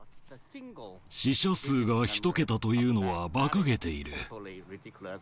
死者数が１桁というのはばかげている。